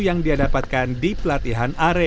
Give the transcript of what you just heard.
yang dia dapatkan di pelatihan are